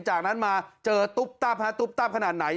จากนั้นมาเจอตุ๊บตับฮะตุ๊บตับขนาดไหน